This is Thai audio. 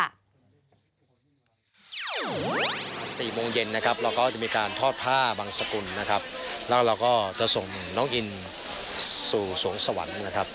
และในช่วงสายของวันนี้นะคะก็จะมีพิธีเลี้ยงเพลินพระ